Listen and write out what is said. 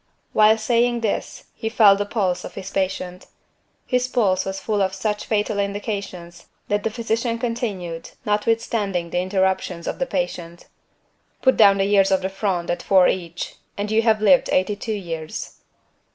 Whilst saying this, he felt the pulse of his patient. This pulse was full of such fatal indications, that the physician continued, notwithstanding the interruptions of the patient: "Put down the years of the Fronde at four each, and you have lived eighty two years."